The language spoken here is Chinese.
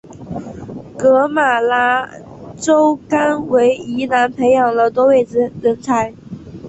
噶玛兰周刊为宜兰培养了多位人才。